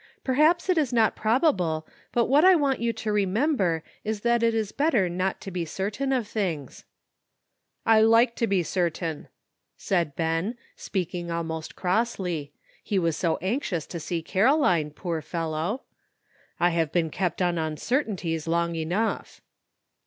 Perhaps it is not probable, but what I want you to remember is that it is better not to be certain of things." "I like to be certain," said Ben, speaking 182 THE UNEXPECTED HAPPENS. almost crossly— he was so anxious to see Caro line, poor fellow! "We have been kept on uncertainties long enough."